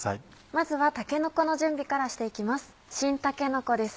まずはたけのこの準備からしていきます。